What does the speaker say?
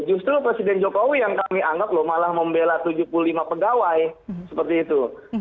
justru presiden jokowi yang kami anggap loh malah membela tujuh puluh lima pegawai seperti itu